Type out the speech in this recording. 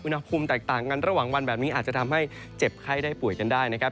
อุณหภูมิแตกต่างกันระหว่างวันแบบนี้อาจจะทำให้เจ็บไข้ได้ป่วยกันได้นะครับ